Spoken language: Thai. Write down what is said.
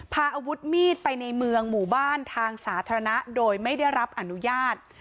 พาอาวุธมีดไปในเมืองหมู่บ้านทางสาธารณะโดยไม่ได้รับอนุญาต